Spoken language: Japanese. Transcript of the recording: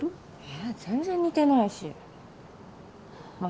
ええ？全然似てないしま